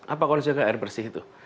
apa kalau dijaga air bersih itu